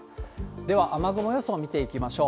では、雨雲予想見ていきましょう。